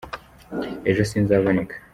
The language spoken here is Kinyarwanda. ejo sinzaboneka.